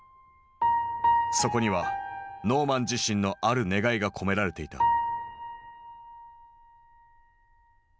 そこにはノーマン自身のある願いが込められていた。